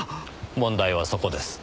問題はそこです。